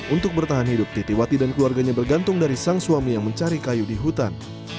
untuk bertahan hidup titiwati dan keluarganya bergantung dari sang suami yang mencari kayu di hutan